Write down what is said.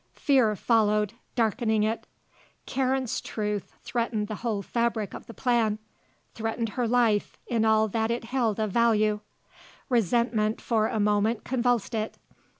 Fear followed, darkening it. Karen's truth threatened the whole fabric of the plan, threatened her life in all that it held of value. Resentment for a moment convulsed it.